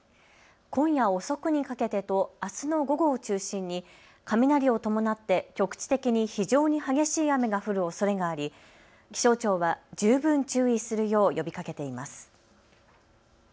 今夜遅くにかけてとあすの午後を中心に雷を伴って局地的に非常に激しい雨が降るおそれがあり気象庁は十分注意するよう呼びかけています。